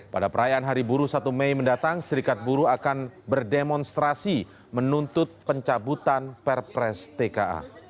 pada perayaan hari buruh satu mei mendatang serikat buruh akan berdemonstrasi menuntut pencabutan perpres tka